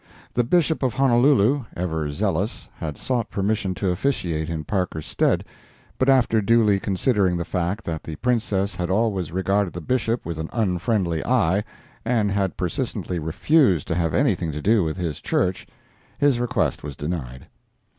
The Bishop of Honolulu, ever zealous, had sought permission to officiate in Parker's stead, but after duly considering the fact that the Princess had always regarded the Bishop with an unfriendly eye and had persistently refused to have anything to do with his church, his request was denied.